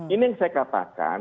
ini yang saya katakan